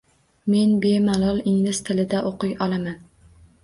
Men bemalol ingliz tilida o'qiy olaman.